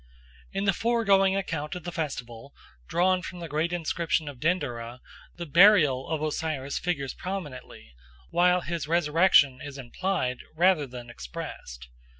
In the foregoing account of the festival, drawn from the great inscription of Denderah, the burial of Osiris figures prominently, while his resurrection is implied rather than expressed.